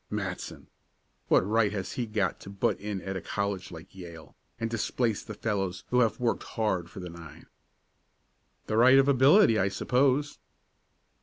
"Matson. What right has he got to butt in at a college like Yale, and displace the fellows who have worked hard for the nine?" "The right of ability, I suppose."